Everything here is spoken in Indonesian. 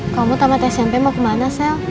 kamu tamat smp mau kemana sel